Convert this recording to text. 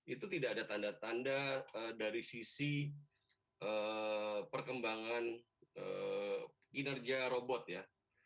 itu tidak ada tanda tanda dari sisi perkembangan kinerja robot ya